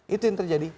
itu yang terjadi